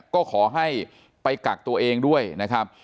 ก็ขอให้ไปกักตัวเองด้วยนะครับ